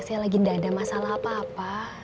saya lagi tidak ada masalah apa apa